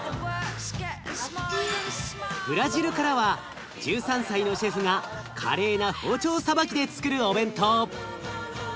ブラジルからは１３歳のシェフが華麗な包丁さばきでつくるお弁当。